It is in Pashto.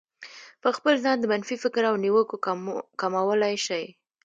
په خپل ځان د منفي فکر او نيوکو کمولای شئ.